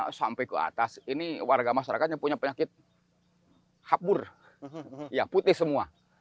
sawarna sampai ke atas ini warga masyarakatnya punya penyakit hapur putih semua